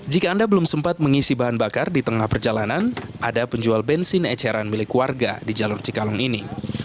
jika anda belum sempat mengisi bahan bakar di tengah perjalanan ada penjual bensin eceran milik warga di jalur cikalong ini